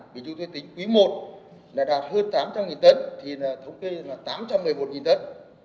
vì chúng tôi tính quý i là đạt hơn tám trăm linh tấn thì là thống kê là tám trăm một mươi một tấn